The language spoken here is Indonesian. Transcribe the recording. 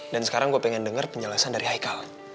dan sekarang gue pengen dengar penjelasan dari haikal